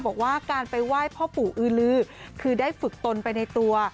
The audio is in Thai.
บอกว่าการไปไหว้พ่อปู่อือลือคือได้ฝึกตนไปในตัว